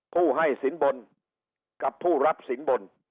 ผู้ให้สินบนกับผู้รับสินบน